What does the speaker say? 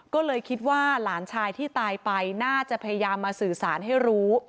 ก็เลยคิดว่าหลานชายที่ตายไปน่าจะพยายามมาสื่อสารให้รู้